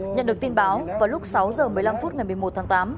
nhận được tin báo vào lúc sáu h một mươi năm phút ngày một mươi một tháng tám